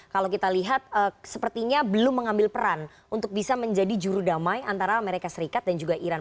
kalau kita lihat sepertinya belum mengambil peran untuk bisa menjadi juru damai antara amerika serikat dan juga iran